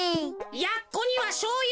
やっこにはしょうゆ。